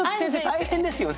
大変ですね。